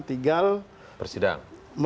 tidak bisa dihormati